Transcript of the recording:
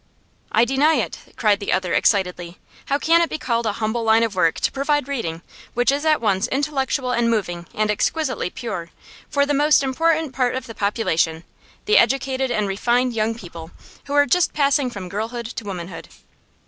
'I deny it!' cried the other, excitedly. 'How can it be called a humble line of work to provide reading, which is at once intellectual and moving and exquisitely pure, for the most important part of the population the educated and refined young people who are just passing from girlhood to womanhood?